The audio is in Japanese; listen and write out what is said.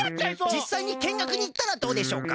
じっさいにけんがくにいったらどうでしょうか？